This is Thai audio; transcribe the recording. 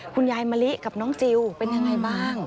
คุณยายมะลิกับน้องจิลเป็นอย่างไรบ้าง